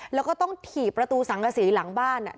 แล้วก็ต้องถี่ประตูสังกษีหลังบ้าน